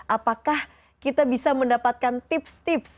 apakah kita bisa mendapatkan tips tips